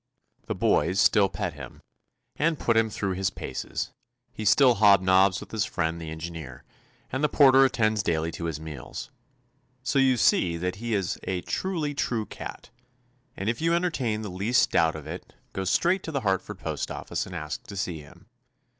"The boys" still pet him, and put him through his "paces"; he still hobnobs with his friend the engineer, and the porter attends daily to his meals; so you see that he is a "truly true" cat, and if you entertain the least doubt of it go straight to the Hartford post office and ask to see him.